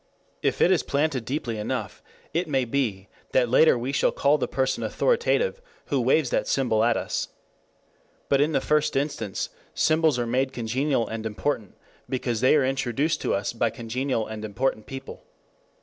If it is planted deeply enough, it may be that later we shall call the person authoritative who waves that symbol at us. But in the first instance symbols are made congenial and important because they are introduced to us by congenial and important people.